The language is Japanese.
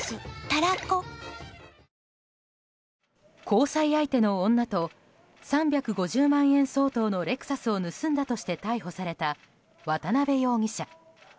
交際相手の女と３５０万円相当のレクサスを盗んだとして逮捕された渡邉容疑者。